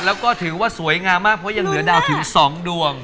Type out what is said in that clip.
แล้วก็ถือว่าสวยงามมากเพราะยังเหลือดาวถึง๒ดวง